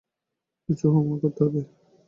কিছু হোমওয়ার্ক করতে হবে।